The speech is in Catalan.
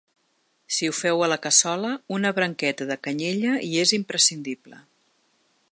Si ho feu a la cassola, una branqueta de canyella hi és imprescindible.